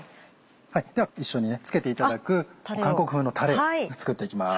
では一緒に付けていただく韓国風のたれを作っていきます。